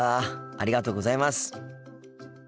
ありがとうございます。